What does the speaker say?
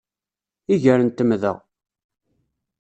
Iger n temda